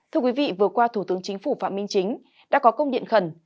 thưa quý vị vừa qua thủ tướng chính phủ phạm minh chính đã có công điện khẩn